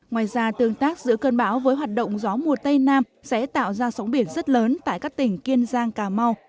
ngoài ra tương tác giữa cơn bão với hoạt động gió mùa tây nam sẽ tạo ra sóng biển rất lớn tại các tỉnh kiên giang cà mau